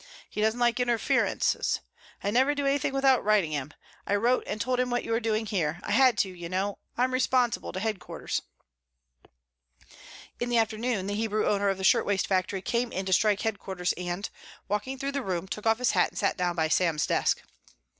"He doesn't like interferences. I never do anything without writing him. I wrote and told him what you were doing here. I had to, you know. I'm responsible to headquarters." In the afternoon the Hebrew owner of the shirtwaist factory came in to strike headquarters and, walking through the room took off his hat and sat down by Sam's desk.